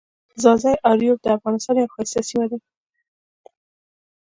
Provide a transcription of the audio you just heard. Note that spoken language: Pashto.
ځاځي اریوب دافغانستان یوه ښایسته سیمه ده.